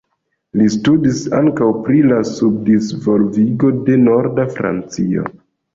Li studis ankaŭ pri la subdisvolvigo de Norda Francio.